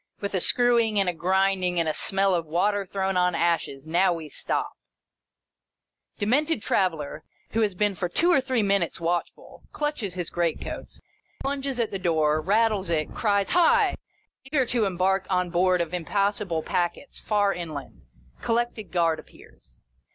With a screwing, and a grinding, and a smell of water thrown on ashes, now we stop ! Demented Traveller, who has been for two or three minutes watchful, clutches his great coats, plunges at the door, rattles it, cries " Hi !" eager to embark on board of im possible packets, far inland. Collected Guard appears.